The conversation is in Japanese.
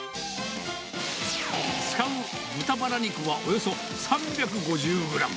使う豚バラ肉はおよそ３５０グラム。